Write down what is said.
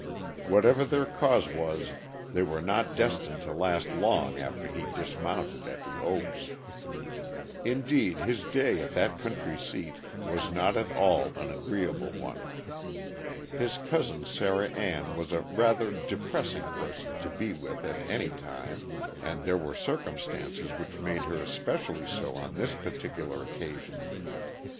Whatever their cause was they were not destined to last long after he dismounted at The Oaks. Indeed his day at that country seat was not at all an agreeable one. His cousin Sarah Ann was a rather depressing person to be with at any time, and there were circumstances which made her especially so on this particular occasion.